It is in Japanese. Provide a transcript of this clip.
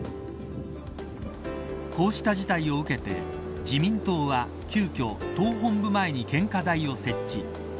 こうした事態を受けて自民党は急きょ党本部前に献花台を設置。